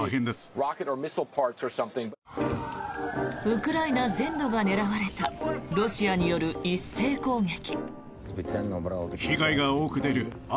ウクライナ全土が狙われたロシアによる一斉攻撃。